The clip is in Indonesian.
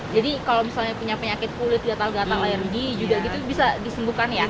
jadi kalau misalnya punya penyakit kulit gatal gatal alergi juga gitu bisa disembuhkan ya